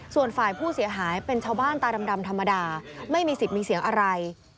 ส่วนฝ่ายผู้เสียหายเป็นชาวบ้านตาดำธรรมดาไม่มีสิทธิ์มีเสียงอะไร